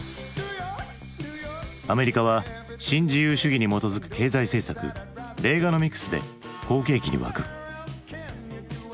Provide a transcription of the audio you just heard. アメリカは新自由主義に基づく経済政策レーガノミクスで好景気に沸く。